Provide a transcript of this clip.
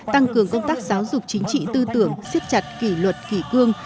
tăng cường công tác giáo dục chính trị tư tưởng siết chặt kỷ luật kỷ cương